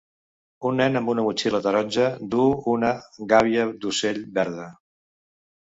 Un nen amb una motxilla taronja duu una gàbia d'ocell verda.